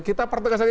kita pertekan saja